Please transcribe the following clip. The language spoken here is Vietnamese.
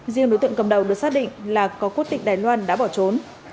riêng đối tượng cầm đầu được xác định là có quốc tịch đài loan đã bỏ trốn